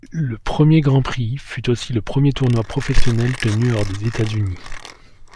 Le premier Grand Prix fut aussi le premier tournoi professionnel tenu hors des États-Unis.